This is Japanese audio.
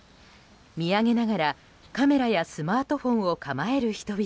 見上げながらカメラやスマートフォンを構える人々。